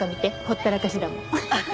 ほったらかしだもん。